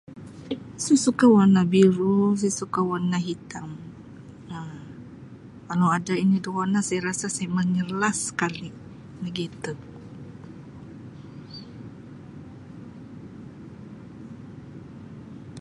Saya suka warna biru saya suka warna hitam Um kalau ada yang itu warna saya rasa saya menyerlah sekali begitu.